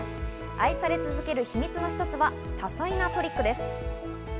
愛され続ける秘密の一つは多彩なトリックです。